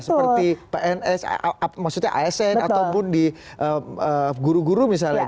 seperti pns maksudnya asn ataupun di guru guru misalnya